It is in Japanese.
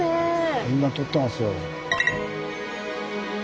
みんな撮ってますよ。